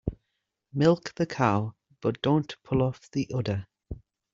Milk the cow but don't pull off the udder.